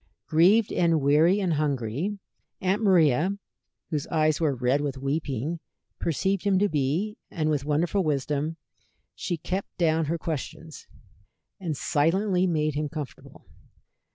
Grieved and weary and hungry, Aunt Maria, whose eyes were red with weeping, perceived him to be, and with wonderful wisdom she kept down her questions, and silently made him comfortable.